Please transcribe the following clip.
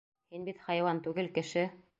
Һин бит хайуан түгел, кеше!